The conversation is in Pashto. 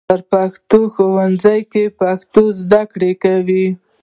بر پښتون د ښوونځي پښتو زده کوي.